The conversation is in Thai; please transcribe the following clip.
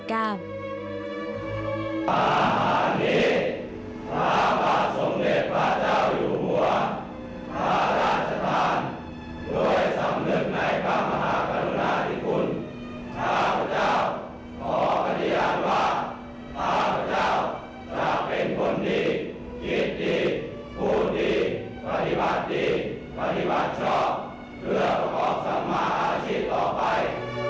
เพื่อประกอบสัมมาอาชีพต่อไป